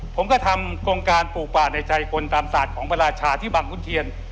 ผมก็ทำโครงการปลูกป่าในใจคนตามศาสตร์ของพระราชาที่บังคุณเทียน